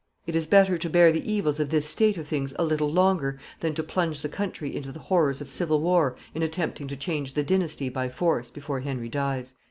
It is better to bear the evils of this state of things a little longer than to plunge the country into the horrors of civil war in attempting to change the dynasty by force before Henry dies."